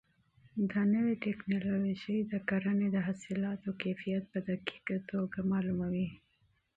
دا نوې ټیکنالوژي د کرنې د حاصلاتو کیفیت په دقیقه توګه معلوموي.